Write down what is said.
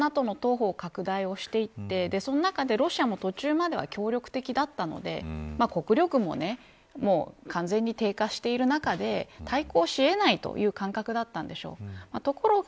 だからこそＮＡＴＯも東方拡大していってその中でロシアも途中までは協力的だったので国力も完全に低下している中で対抗しえないという感覚だったんでしょう。